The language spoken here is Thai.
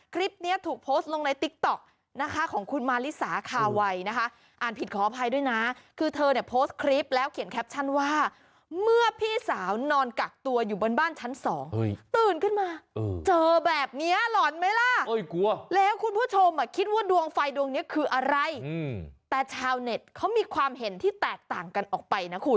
คิดว่าดวงไฟดวงเนี้ยคืออะไรอืมแต่ชาวเน็ตเขามีความเห็นที่แตกต่างกันออกไปนะคุณ